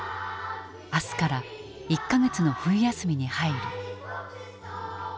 明日から１か月の冬休みに入る。